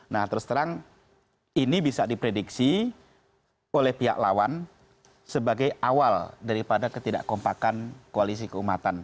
nah terus terang ini bisa diprediksi oleh pihak lawan sebagai awal daripada ketidakkompakan koalisi keumatan